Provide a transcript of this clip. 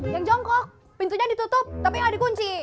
yang jongkok pintunya ditutup tapi nggak dikunci